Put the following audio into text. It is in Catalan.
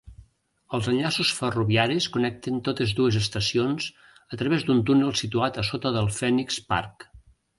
Els enllaços ferroviaris connecten totes dues estacions a través d'un túnel situat a sota del Phoenix Park.